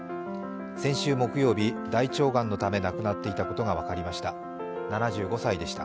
先週木曜日、大腸がんのため亡くなっていたことが分かりました。